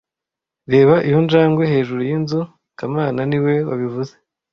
Reba iyo njangwe hejuru yinzu kamana niwe wabivuze